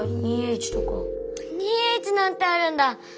２Ｈなんてあるんだ！